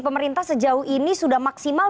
pemerintah sejauh ini sudah maksimal